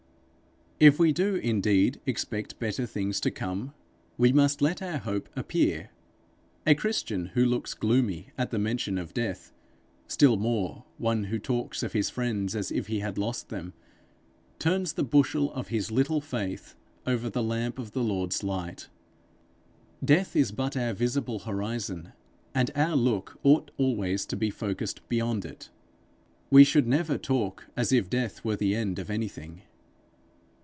If we do indeed expect better things to come, we must let our hope appear. A Christian who looks gloomy at the mention of death, still more, one who talks of his friends as if he had lost them, turns the bushel of his little faith over the lamp of the Lord's light. Death is but our visible horizon, and our look ought always to be focussed beyond it. We should never talk as if death were the end of anything.